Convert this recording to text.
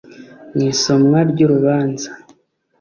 Mu isomwa ry’urubanza